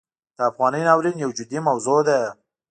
د افغانۍ ناورین یو جدي موضوع ده.